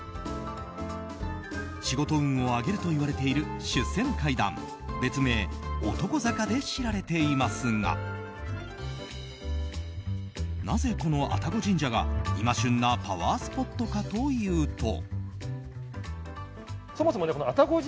仕事運を上げるといわれている出世の階段別名、男坂で知られていますがなぜこの愛宕神社が今旬なパワースポットかというと。